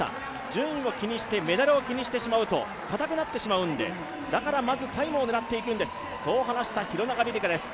順位を気にして、メダルを気にしてしまうと硬くなってしまうんでだから、まずタイムを狙っていくんです、そう話した廣中璃梨佳です。